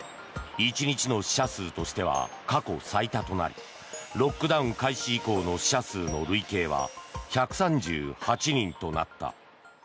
１日の死者数としては過去最多となりロックダウン開始以降の死者数の累計は１３８人となった。